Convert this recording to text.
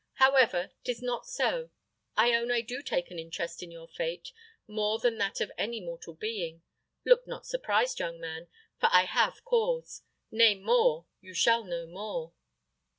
However, 'tis not so. I own I do take an interest in your fate, more than that of any mortal being. Look not surprised, young man, for I have cause: nay more you shall know more.